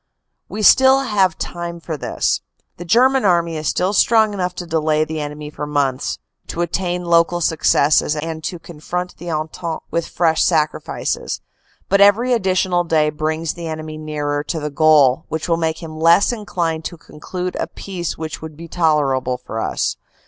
We still have time for this. The German army is still strong enough to delay the enemy for months, to attain local successes, and to confront the Entente with fresh sacri fices. But every additional day brings the enemy nearer to the goal, and will make him less inclined to conclude a peace which would be tolerable for us.